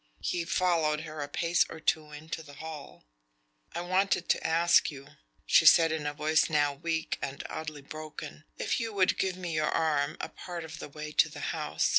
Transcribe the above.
He followed her a pace or two into the hall. "I wanted to ask you," she said in a voice now weak and oddly broken, "if you would give me your arm a part of the way to the house.